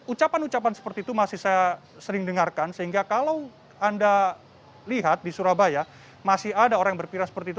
ucapan ucapan seperti itu masih saya sering dengarkan sehingga kalau anda lihat di surabaya masih ada orang yang berpira seperti itu